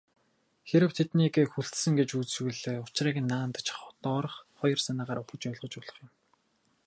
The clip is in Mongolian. Хэрэв тэднийг хүлцсэн гэж үзвэл, учрыг наанадаж доорх хоёр санаагаар ухаж ойлгож болох юм.